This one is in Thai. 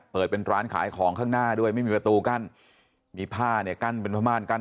เปิดเป็นร้านขายของข้างหน้าด้วยไม่มีประตูกั้นมีผ้าเนี่ยกั้นเป็นผ้าม่านกั้น